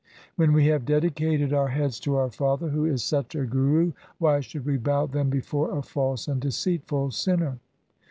When we have dedicated our heads to our father who is such a Guru, why should we bow them before a false and deceitful sinner